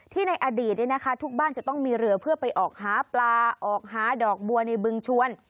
ในอดีตทุกบ้านจะต้องมีเรือเพื่อไปออกหาปลาออกหาดอกบัวในบึงชวน